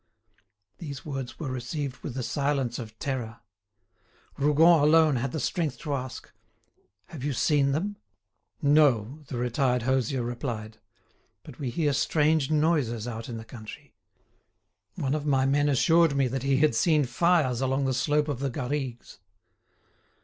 These words were received with the silence of terror. Rougon alone had the strength to ask, "Have you seen them?" "No," the retired hosier replied; "but we hear strange noises out in the country; one of my men assured me that he had seen fires along the slope of the Garrigues."